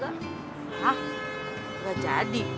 hah udah jadi